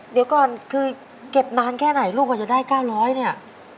เดี๋ยวก่อนคือเก็บนานแค่ไหนลูกกว่าจะได้๙๐๐เนี่ย